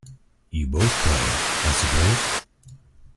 You both play, I suppose?